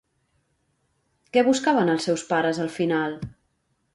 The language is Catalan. Què buscaven els seus pares al final?